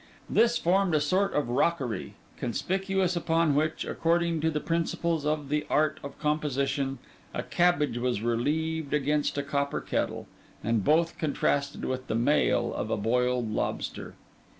This formed a sort of rockery; conspicuous upon which, according to the principles of the art of composition, a cabbage was relieved against a copper kettle, and both contrasted with the mail of a boiled lobster.